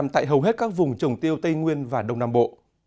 tại hầu hết các vùng trồng tiêu tây nguyên và đông nam bộ